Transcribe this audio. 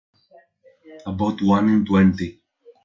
About one in twenty.